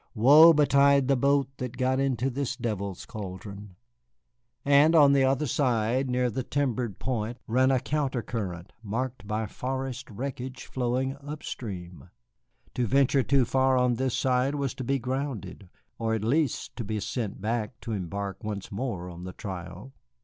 Woe betide the boat that got into this devil's caldron! And on the other side, near the timbered point, ran a counter current marked by forest wreckage flowing up stream. To venture too far on this side was to be grounded or at least to be sent back to embark once more on the trial.